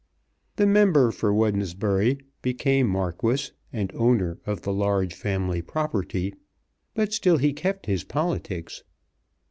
The Member for Wednesbury became Marquis and owner of the large family property, but still he kept his politics.